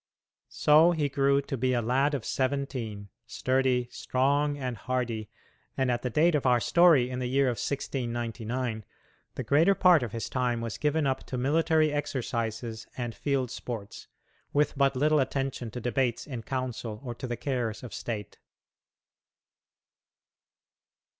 So he grew to be a lad of seventeen, sturdy, strong, and hardy, and at the date of our story, in the year of 1699, the greater part of his time was given up to military exercises and field sports, with but little attention to debates in council or to the cares of state.